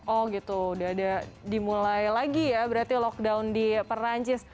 oh gitu udah ada dimulai lagi ya berarti lockdown di perancis